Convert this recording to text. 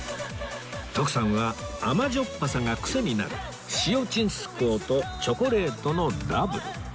徳さんは甘じょっぱさがクセになる塩ちんすこうとチョコレートのダブル